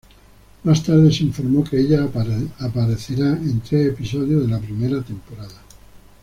Más tarde se informó que ella aparecerá en tres episodios de la primera temporada.